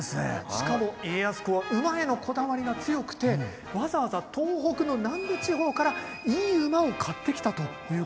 しかも家康公は馬へのこだわりが強くてわざわざ東北の南部地方からいい馬を買ってきたということなんです。